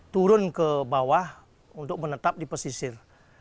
turun ke bawah untuk menetap di pesisir